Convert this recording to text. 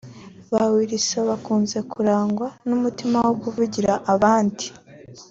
Ba Wilson bakunze kurangwa n’umutima wo kuvugira abandi